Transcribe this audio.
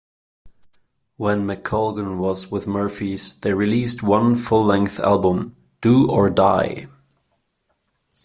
While McColgan was with the Murphys, they released one full-length album, "Do or Die".